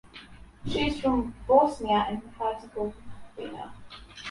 She’s from Bosnia and Herzegovina.